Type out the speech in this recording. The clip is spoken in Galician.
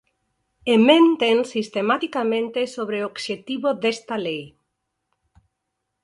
E menten sistematicamente sobre o obxectivo desta lei.